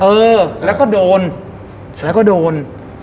เออแล้วก็โดนแล้วก็โดน